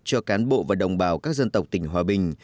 cho cán bộ và đồng bào các dân tộc tỉnh hòa bình